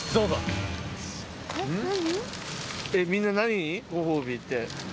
「えっ何？」